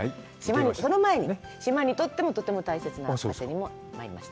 その前に、島にとってもとっても大切な場所にもまいりました。